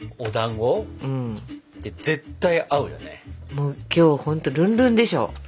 もう今日ほんとルンルンでしょ？